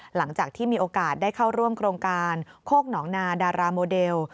หลังจากที่มีโอกาสได้เข้าร่วมโครงการโคกหนองนาดาราโมเดล